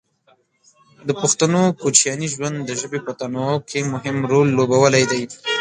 د پښتنو کوچیاني ژوند د ژبې په تنوع کې مهم رول لوبولی دی.